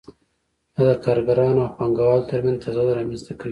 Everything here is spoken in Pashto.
دا د کارګرانو او پانګوالو ترمنځ تضاد رامنځته کوي